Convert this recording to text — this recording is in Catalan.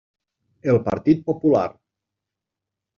El Partit Popular.